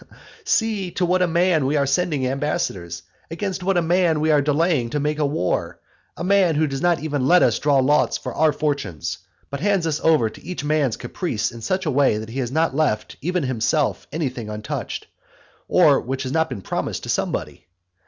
See to what a man we are sending ambassadors, against what a man we are delaying to make war, a man who does not even let us draw lots for our fortunes, but hands us over to each man's caprice in such a way, that he has not left even himself anything untouched, or which has not been promised to somebody.